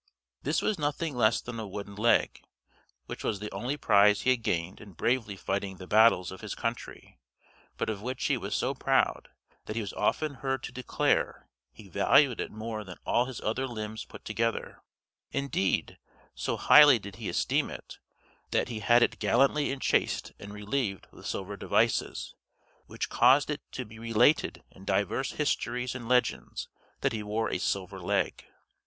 This was nothing less than a wooden leg, which was the only prize he had gained in bravely fighting the battles of his country, but of which he was so proud, that he was often heard to declare he valued it more than all his other limbs put together; indeed, so highly did he esteem it, that he had it gallantly enchased and relieved with silver devices, which caused it to be related in divers histories and legends that he wore a silver leg.